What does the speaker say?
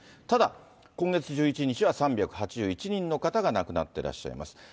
ただ、今月１１日は３８１人の方が亡くなってらっしゃいます。